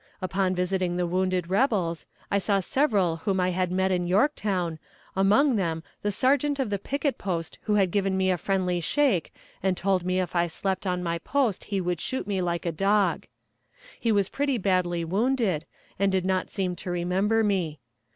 Upon visiting the wounded rebels I saw several whom I had met in Yorktown, among them the sergeant of the picket post who had given me a friendly shake and told me if I slept on my post he would shoot me like a dog. He was pretty badly wounded, and did not seem to remember me.